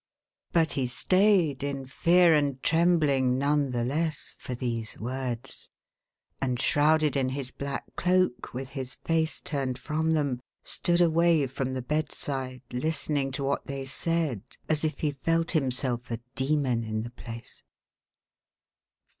But he stayed, in fear and trembling none the less for these words; and, shrouded in his black cloak with his face turned from them, stood away from the bedside, listening to what they said, as if he felt himself a demon in the place.